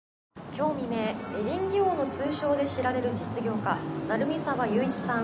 今日未明「エリンギ王」の通称で知られる実業家成見沢祐市さん